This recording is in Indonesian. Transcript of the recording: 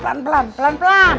pelan pelan pelan pelan